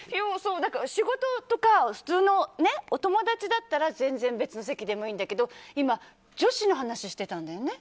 仕事とか普通のお友達だったら全然別の席でもいいんだけど今、女子の話してたんだよね。